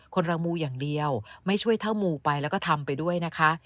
คนเรามูอย่างเดียวไม่ช่วยเท่ามูไปแล้วก็ทำไปด้วยนะคะ